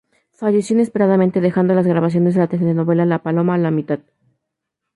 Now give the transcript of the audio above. Falleció inesperadamente dejando las grabaciones de la telenovela "La paloma" a la mitad.